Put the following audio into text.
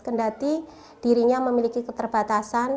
kendati dirinya memiliki keterbatasan